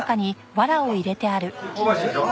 香ばしいでしょ？